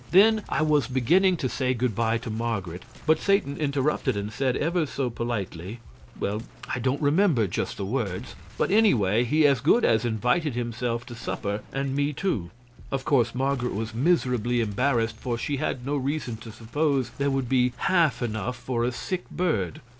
Then I was beginning to say good by to Marget, but Satan interrupted and said, ever so politely well, I don't remember just the words, but anyway he as good as invited himself to supper, and me, too. Of course Marget was miserably embarrassed, for she had no reason to suppose there would be half enough for a sick bird.